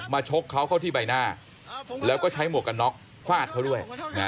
ชกเขาเข้าที่ใบหน้าแล้วก็ใช้หมวกกันน็อกฟาดเขาด้วย